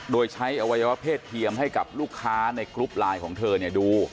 โดยใช้อวัยวะเพศเทียมให้กับลูกค้าในกรุ๊ปไลน์ของเธอดู